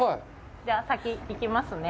じゃあ、先に行きますね。